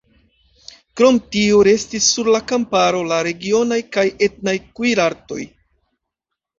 Krom tio restis sur la kamparo la regionaj kaj etnaj kuirartoj.